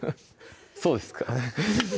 そうですか？